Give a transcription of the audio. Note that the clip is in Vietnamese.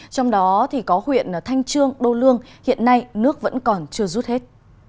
trong đó thì có huyện thanh trương đô lương hiện nay nước vẫn còn chưa rút hết